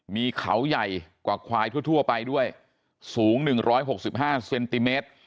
มีเขาใหญ่กว่าควายทั่วไปด้วยสูง๑๖๕เซนติเมตร